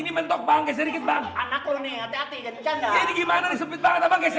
ini bentuk banges sedikit bang anak kuning hati hati jadi gimana sempit banget